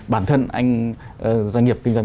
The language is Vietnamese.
bản thân anh doanh nghiệp kinh doanh